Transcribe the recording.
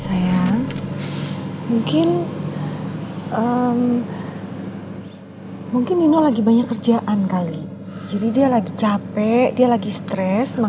aku tuh salahnya dimana sih ma